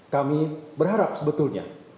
kami berharap sebetulnya